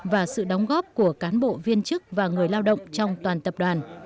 và sự đóng góp của cán bộ viên chức và người lao động trong toàn tập đoàn